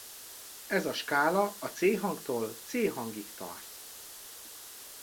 Ez a skála C hangtól C hangig tart.